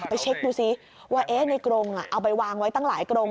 ไปเช็คดูซิว่าในกรงเอาไปวางไว้ตั้งหลายกรง